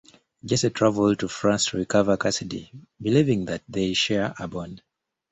Jesse traveled to France to recover Cassidy, believing that they share a bond.